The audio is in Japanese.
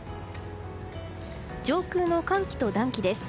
上空の寒気と暖気です。